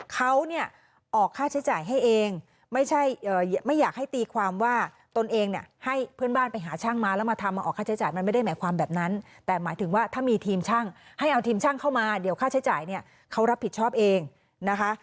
เขาเนี่ยออกค่าใช้จ่ายให้เองไม่ใช่ไม่อยากให้ตีความว่าตนเองเนี่ยให้เพื่อนบ้านไปหาช่างมาแล้วมาทำมาออกค่าใช้จ่ายมันไม่ได้หมายความแบบนั้นแต่หมายถึงว่าถ้ามีทีมช่างให้เอาทีมช่างเข้ามาเดี๋ยวค่าใช้จ่ายเนี่ยเขารับผิดชอบเองนะคะ